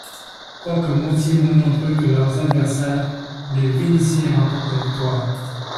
Quoique moitié moins nombreux que leurs adversaires, les Vénitiens remportent la victoire.